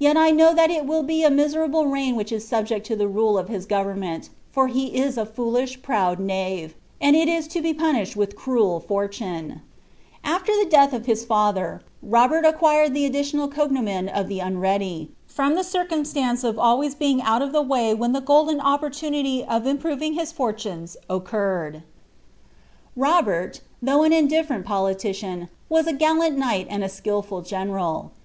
Yet I know ihatil will be a miserable reign which is subject to the rule of his goveniDMsL for he is a foolish, proud knave, and is to bo puuishcd with end fortune," ' After the death of his father, Robert acquired the additional cognomen of the Unready, ftom the circumstance of being always out of the way when the golden opportunity of iniproviitg his forlaoes occurred. Kobert, though an indiffeienl politician, was a gallant knight and* skilful general.